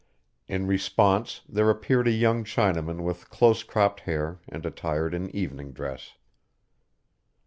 In response there appeared a young Chinaman with close cropped hair and attired in evening dress.